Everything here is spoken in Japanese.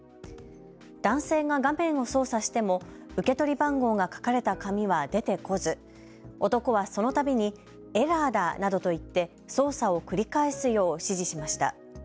男性が画面を操作しても受け取り番号が書かれた紙は出てこず、男はそのたびにエラーだなどと言って操作を繰り返すよう指示しました。